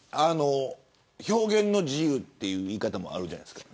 表現の自由という言い方もあるじゃないですか。